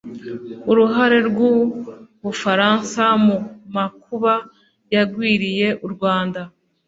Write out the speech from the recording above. uruhare rw'u bufaransa mu makuba yagwiriye u rwanda